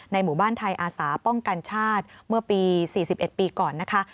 หมู่บ้านไทยอาสาป้องกันชาติเมื่อปี๔๑ปีก่อนนะคะ